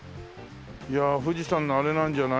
富士山のあれなんじゃない？